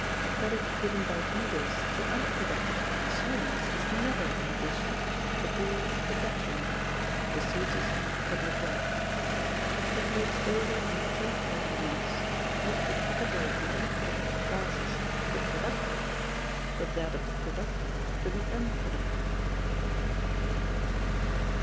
Credit given by dealers to unproductive consumers is never an addition, but always a detriment, to the sources of public wealth. It makes over in temporary use, not the capital of the unproductive classes to the productive, but that of the productive to the unproductive.